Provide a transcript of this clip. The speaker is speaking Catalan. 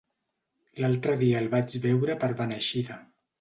L'altre dia el vaig veure per Beneixida.